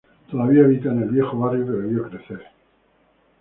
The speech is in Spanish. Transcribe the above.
Todavía habita en el viejo barrio que le vio crecer.